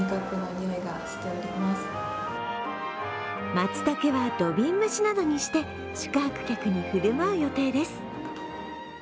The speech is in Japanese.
まつたけは土瓶蒸しなどにして、宿泊客に振る舞う予定です。